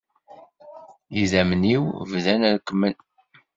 Idammen-iw bdan rekkmen.